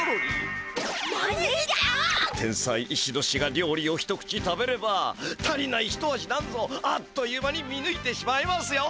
天才イシノシが料理を一口食べれば足りない一味なんぞあっという間に見ぬいてしまいますよ！